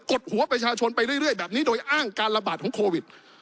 ดหัวประชาชนไปเรื่อยแบบนี้โดยอ้างการระบาดของโควิด